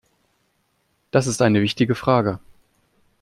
Das ist eine wichtige Frage.